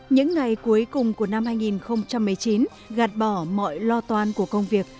những ngày cuối cùng của năm hai nghìn một mươi chín gạt bỏ mọi lo toan của công việc